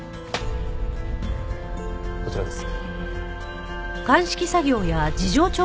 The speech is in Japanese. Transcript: こちらです。